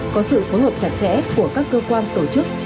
có sự phối hợp chặt chẽ của các cơ quan tổ chức